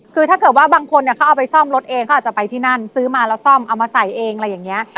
คือถ้าเกิดว่าบางคนเขาเอาไปซ่อมรถเองเขาอาจจะไปที่นั่นซื้อมาแล้วซ่อมเอามาใส่เองอะไรอย่างนี้